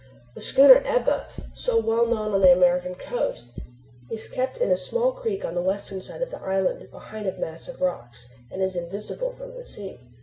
"This schooner Ebba, so well known on the American coast, is kept in a small creek on the western side of the island, behind a mass of rocks, and is invisible from the sea.